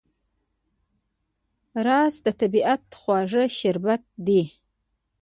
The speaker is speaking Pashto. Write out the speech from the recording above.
رس د طبیعت خواږه شربت دی